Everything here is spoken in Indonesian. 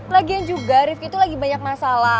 lagian juga rifqi tuh lagi banyak masalah